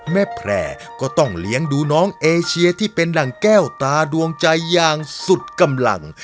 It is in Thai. แพร่ก็ต้องเลี้ยงดูน้องเอเชียที่เป็นดั่งแก้วตาดวงใจอย่างสุดกำลัง